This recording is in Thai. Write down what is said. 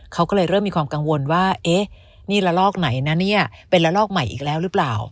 เขาก็เลยเริ่มมีความกังวลว่าเอ๊ะนี่ละลอกไหนนะเนี่ยเป็นละลอกใหม่อีกแล้วหรือเปล่า